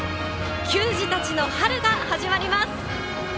球児たちの春が始まります！